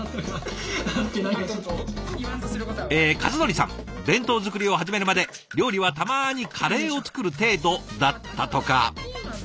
え和範さん弁当作りを始めるまで料理はたまにカレーを作る程度だったとか。